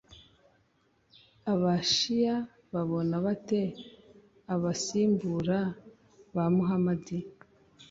abashiya babona bate abasimbura ba muhamadi?